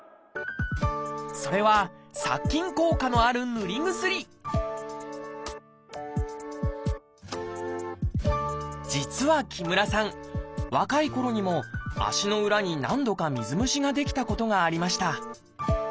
それは実は木村さん若いころにも足の裏に何度か水虫が出来たことがありました。